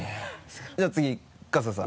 じゃあ次春日さん。